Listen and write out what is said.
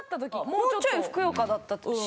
もうちょいふくよかだったし。